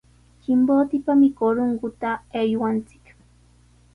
Chimbotepami Corongota aywanchik.